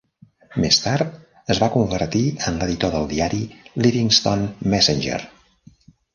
Més tard, es va convertir en l'editor del diari "Livingston Messenger".